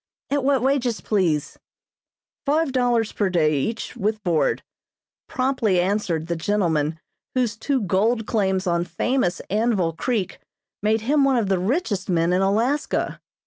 "At what wages, please?" "Five dollars per day, each, with board," promptly answered the gentleman whose two gold claims on famous Anvil Creek made him one of the richest men in Alaska.